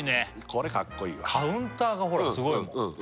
これカッコいいわカウンターがほらすごいもんうん